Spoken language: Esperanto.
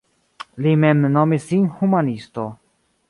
Li mem nomis sin humanisto.